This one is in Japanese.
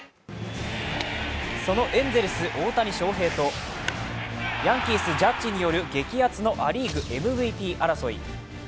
そのエンゼルス・大谷翔平とヤンキース・ジャッジによる激アツのア・リーグＭＶＰ争い。